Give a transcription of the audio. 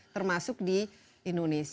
termasuk di indonesia